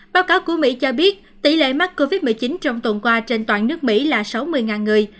báo cáo của mỹ cho biết tỷ lệ mắc covid một mươi chín trong tuần qua trên toàn nước mỹ là sáu mươi người